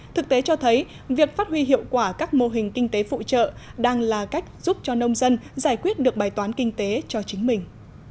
thực tế cho thấy việc phát huy hiệu quả các mô hình kinh tế phụ trợ đang là cách giúp cho nông dân giải quyết được bài toán kinh tế cho chính mình